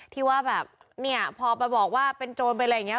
ที่ว่าแบบเนี่ยพอไปบอกว่าเป็นโจรเป็นอะไรอย่างนี้